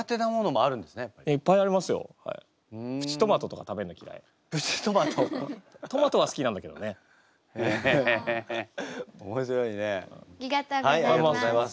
ありがとうございます。